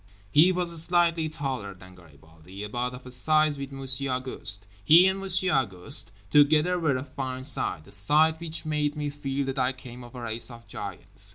He was slightly taller than Garibaldi, about of a size with Monsieur Auguste. He and Monsieur Auguste together were a fine sight, a sight which made me feel that I came of a race of giants.